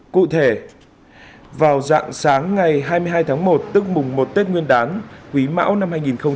cụ thể vào dạng sáng ngày hai mươi hai tháng một tức mùng một tết nguyên đán quý mão năm hai nghìn hai mươi